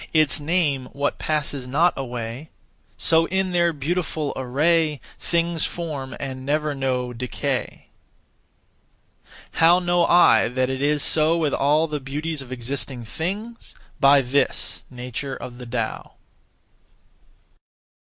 Its name what passes not away; So, in their beautiful array, Things form and never know decay. How know I that it is so with all the beauties of existing things? By this (nature of the Tao).